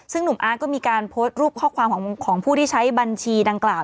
ซึ่งหนุ่มอาร์ตก็มีการโพสต์รูปข้อความของผู้ที่ใช้บัญชีดังกล่าว